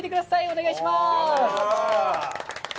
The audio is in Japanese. お願いします。